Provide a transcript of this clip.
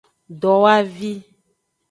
Dowavi.